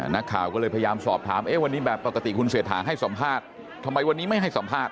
นักข่าวก็เลยพยายามสอบถามวันนี้แบบปกติคุณเศรษฐาให้สัมภาษณ์ทำไมวันนี้ไม่ให้สัมภาษ